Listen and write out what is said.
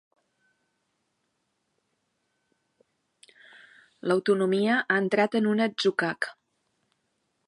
L'autonomia ha entrat en un atzucac.